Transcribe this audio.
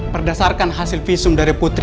berdasarkan hasil visum dari putri